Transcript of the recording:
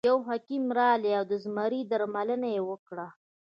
یو حکیم راغی او د زمري درملنه یې وکړه.